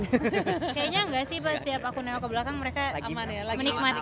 kayaknya enggak sih pas tiap aku newak ke belakang mereka menikmati